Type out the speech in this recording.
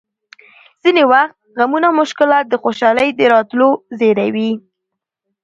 ځینې وخت غمونه او مشکلات د خوشحالۍ د راتلو زېری وي!